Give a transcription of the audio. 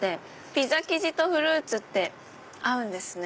ピザ生地とフルーツって合うんですね